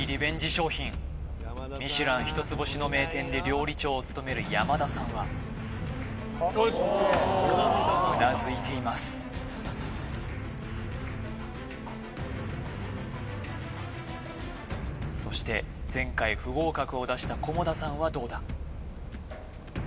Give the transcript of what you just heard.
商品ミシュラン一つ星の名店で料理長を務める山田さんはうなずいていますそして前回不合格を出した菰田さんはどうだ？